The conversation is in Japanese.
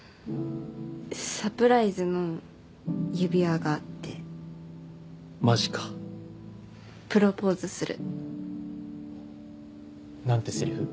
サプライズの指輪があってマジかプロポーズするなんてセリフ？